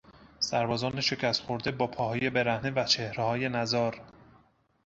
سربازان شکست خورده با پاهای برهنه و چهرههای نزار